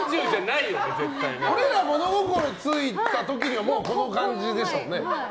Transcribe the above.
俺ら物心ついた時にはもう、この感じでしたもんね。